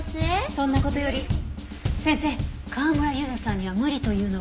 そんな事より先生川村ゆずさんには無理というのは？